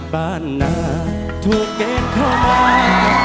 เบอร์หรือว่า